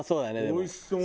おいしそう。